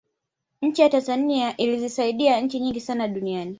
nchi ya tanzania ilizisaidia nchi nyingi sana duniani